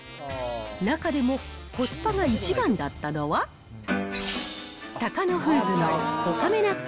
中でもコスパが一番だったのは、タカノフーズのおかめ納豆